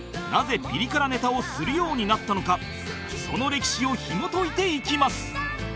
なぜピリ辛ネタをするようになったのかその歴史をひもといていきます